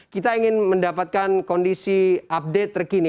kita ingin mendapatkan kondisi update terkini